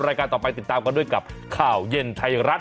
รายการต่อไปติดตามกันด้วยกับข่าวเย็นไทยรัฐ